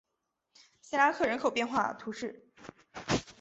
谢拉克人口变化图示